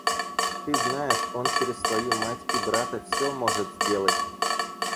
Ты знаешь, он через свою мать и брата всё может сделать.